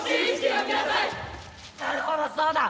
なるほどそうだ。